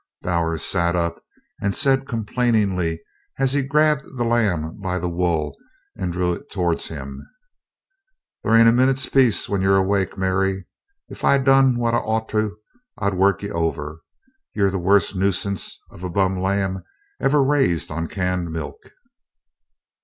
Bowers sat up and said complainingly as he grabbed the lamb by the wool and drew it towards him: "There ain't a minute's peace when you're awake, Mary! If I done what I ort, I'd work you over. You're the worst nuisance of a bum lamb ever raised on canned milk."